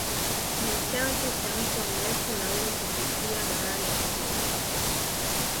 Ni chanzo cha mto mrefu na wenye kuvutia barani Afrika